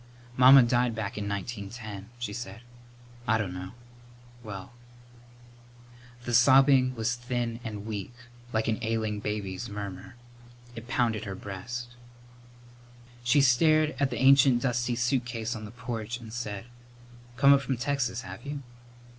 "Mamma died back in 1910," she said. "I dunno well " The sobbing was thin and weak, like an ailing baby's murmur. It pounded her breast. She stared at the ancient dusty suitcase on the porch and said, "Come up from Texas, have you?"